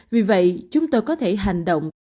vì vậy chúng tôi có thể hành động